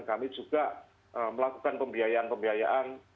kami juga melakukan pembiayaan pembiayaan